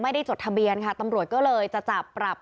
จดทะเบียนค่ะตำรวจก็เลยจะจับปรับ